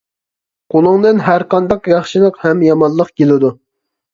قۇلۇڭدىن ھەرقانداق ياخشىلىق ھەم يامانلىق كېلىدۇ.